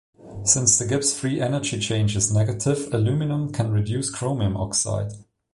Since the Gibbs free energy change is negative, aluminium can reduce chromium oxide.